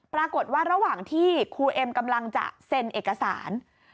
ปรากฏว่าระหว่างที่ครูเอ็มกำลังจะเซ็นเอกสาร